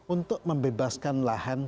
untuk membebaskan lahan